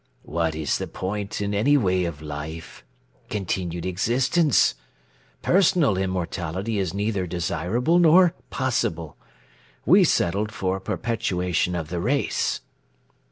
"What is the point in any way of life? Continued existence. Personal immortality is neither desirable nor possible. We settled for perpetuation of the race."